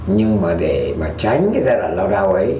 nhưng mà để mà tránh cái giai đoạn lao đao ấy